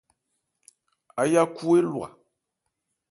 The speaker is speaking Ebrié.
Áyákhu élwa.